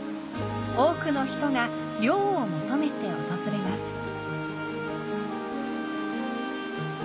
多くの人が涼を求めて訪れます。